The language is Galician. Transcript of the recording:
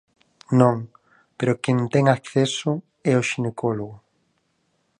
Non, pero quen ten acceso é o xinecólogo.